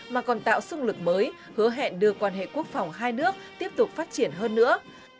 mà còn tạo sung lực mới hứa hẹn đưa quan hệ quốc phòng hai nước tiếp tục phát triển hơn nữa